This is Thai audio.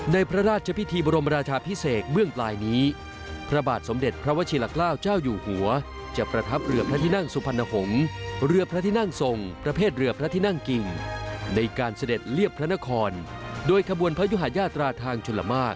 ในพระราชพิธีบรมราชาพิเศษเมื่อปลายนี้พระบาทสมเด็จพระวชิละเกล้าเจ้าอยู่หัวจะประทับเรือพระที่นั่งสุพรรณหงษ์เรือพระที่นั่งทรงประเภทเรือพระที่นั่งกิ่งในการเสด็จเรียบพระนครโดยขบวนพระยุหาญาตราทางชลมาก